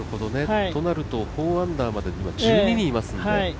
となると、４アンダーまで１２人いますので。